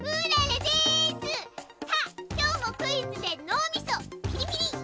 さあきょうもクイズでのうみそぴりぴり！